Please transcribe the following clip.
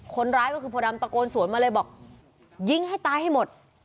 คนร้ายก็คือโพดำตะโกนสวนมาเลยบอกยิงให้ตายให้หมด